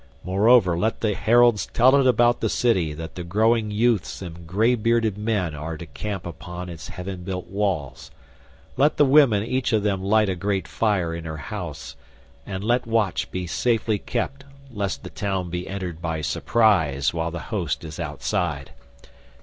Moreover let the heralds tell it about the city that the growing youths and grey bearded men are to camp upon its heaven built walls. Let the women each of them light a great fire in her house, and let watch be safely kept lest the town be entered by surprise while the host is outside.